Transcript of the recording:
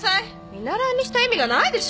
見習いにした意味がないでしょ。